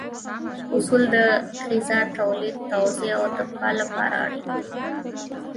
اصول د غذا تولید، توزیع او دفاع لپاره اړین دي.